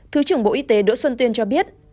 thứ trưởng bộ y tế đỗ xuân tuyên cho biết